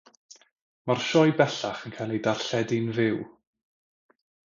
Mae'r sioe bellach yn cael ei darlledu'n fyw.